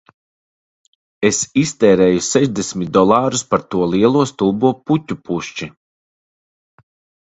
Es iztērēju sešdesmit dolārus par to lielo stulbo puķu pušķi